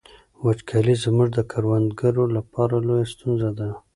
وچکالي زموږ د کروندګرو لپاره لویه ستونزه ده.